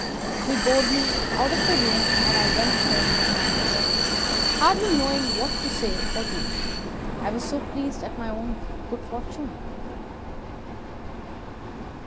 He bowed me out of the room and I went home with my assistant, hardly knowing what to say or do, I was so pleased at my own good fortune.